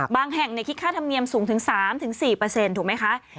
แห่งคิดค่าธรรมเนียมสูงถึง๓๔ถูกไหมคะ